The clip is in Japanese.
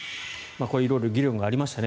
色々と議論がありましたよね。